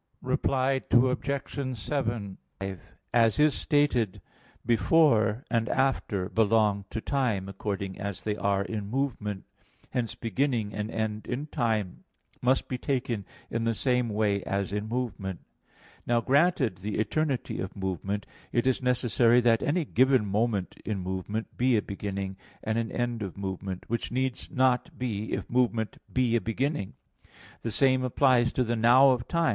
Reply Obj. 7: As is stated (Phys. iv, text 99), "before" and "after" belong to time, according as they are in movement. Hence beginning and end in time must be taken in the same way as in movement. Now, granted the eternity of movement, it is necessary that any given moment in movement be a beginning and an end of movement; which need not be if movement be a beginning. The same applies to the "now" of time.